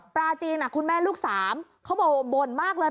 ปลาจีนคุณแม่ลูกสามเขาบอกว่าบ่นมากเลย